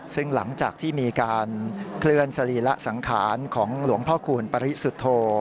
ซึ่งหลังจากที่มีการเคลื่อนสรีระสังขารของหลวงพ่อคูณปริสุทธโธ